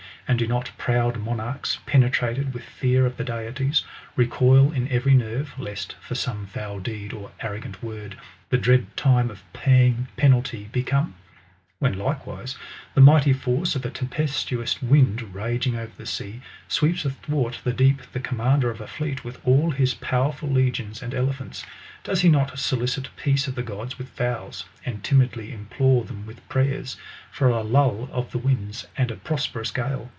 And do not proud monarchs, penetrated with fear K the deities, recoil in every nerve, lest, for some foul depd, or arrogant word, the dread time of pay ing penalty be come ?"^ When, likewise, the mighty force of a tempestuous wind, raffing over the sea, sweeps athwart the deep the commander of a fleet with all his powerful legions and elephants,^ does he not solicit peace of the gods with vows, and timidly im plore them with prayers, for a lull of the winds and a pros perous gale